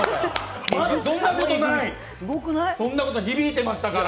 そんなことない、響いてましたから。